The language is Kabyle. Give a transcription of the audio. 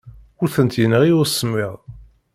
Ur tent-yenɣi usemmiḍ.